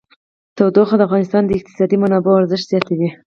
تودوخه د افغانستان د اقتصادي منابعو ارزښت زیاتوي.